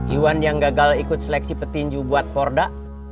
iwan yang gagal ikut seleksi petinju buat porda